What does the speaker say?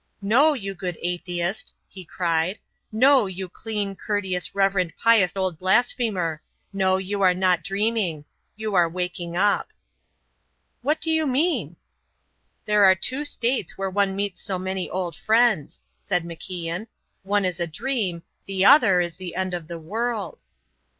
"No, you good atheist," he cried; "no, you clean, courteous, reverent, pious old blasphemer. No, you are not dreaming you are waking up." "What do you mean?" "There are two states where one meets so many old friends," said MacIan; "one is a dream, the other is the end of the world."